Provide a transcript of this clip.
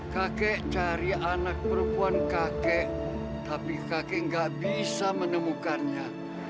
kakek cari anak perempuan kakek tapi kakek gak bisa menemukannya